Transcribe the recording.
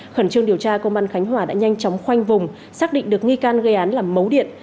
khẩn trương điều tra công an khánh hòa đã nhanh chóng khoanh vùng xác định được nghi can gây án là mấu điện